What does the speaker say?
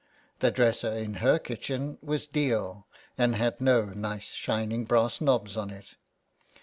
The dresser in her kitchen was deal, and had no nice shining brass knobs on it.